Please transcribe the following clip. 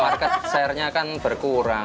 warga share nya kan berkurang